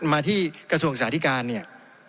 มาที่กระทรวงศึกษาธิการเนี่ย